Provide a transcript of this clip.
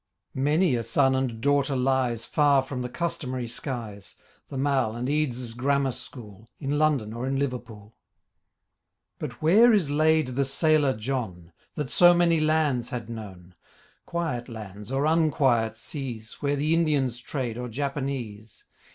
Many a son and daughter lies Far from the customary skies, The Mall and Eades's grammar school, In London or in Liverpool; But where is laid the sailor John? That so many lands had known: Quiet lands or unquiet seas Where the Indians trade or Japanese.